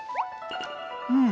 うん。